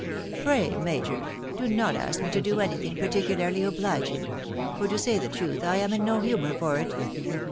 Pray, major, do not ask me to do any thing particularly obliging; for, to say the truth, I am in no humour for it.